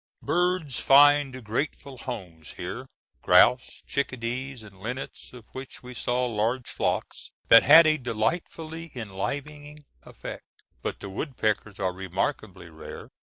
Birds find grateful homes here—grouse, chickadees, and linnets, of which we saw large flocks that had a delightfully enlivening effect. But the woodpeckers are remarkably rare.